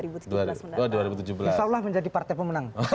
insya allah menjadi partai pemenang